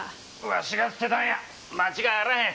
わしが捨てたんや間違いあらへん。